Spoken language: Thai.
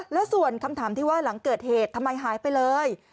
แล้วส่วนคำถามที่ว่าหลังเกิดเหตุทำไมหายไปเลย